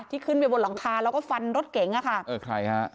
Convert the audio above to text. ขึ้นไปบนหลังคาแล้วก็ฟันรถเก๋งอ่ะค่ะเออใครฮะ